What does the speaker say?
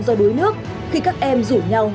do đuối nước khi các em rủ nhau